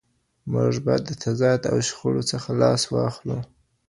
موږ باید د تضاد او شخړو څخه لاس واخلو.